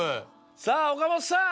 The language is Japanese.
さぁ岡本さん。